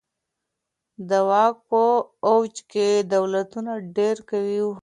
د واک په اوج کي دولتونه ډیر قوي وي.